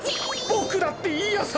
ボクだっていやさ！